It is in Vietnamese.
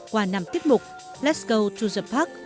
qua năm tiết mục let s go to the park